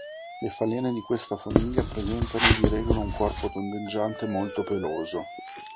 Le falene di questa famiglia presentano di regola un corpo tondeggiante e molto peloso.